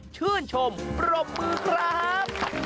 ชื่นชมปรบมือครับ